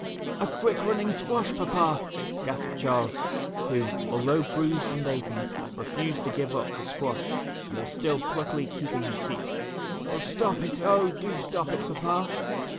"A quick running squash. Papa," gasped Charles, who. although bruised and aching, re fused to give up the squash, and was still pluckily keeping his seat "Stop it, oh, do stop it Papa."